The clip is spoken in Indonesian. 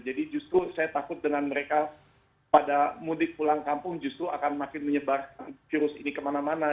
jadi justru saya takut dengan mereka pada mudik pulang kampung justru akan makin menyebar virus ini kemana mana